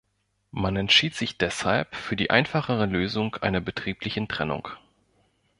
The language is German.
Man entschied sich deshalb für die einfachere Lösung einer betrieblichen Trennung.